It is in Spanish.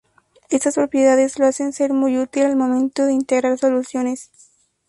Estas propiedades lo hacen ser muy útil al momento de integrar soluciones.